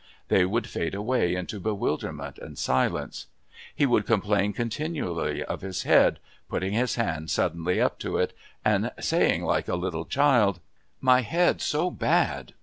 They would fade away into bewilderment and silence. He would complain continually of his head, putting his hand suddenly up to it, and saying, like a little child: "My head's so bad.